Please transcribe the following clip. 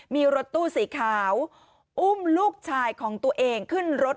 มีรถตู้สีขาวอุ้มลูกชายของตัวเองขึ้นรถ